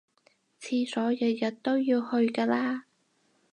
廁所日日都要去㗎啦